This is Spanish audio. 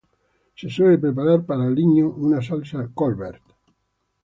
Se suele preparar para aliño una salsa Colbert.